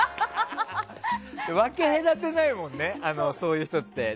分け隔てないもんねそういう人って。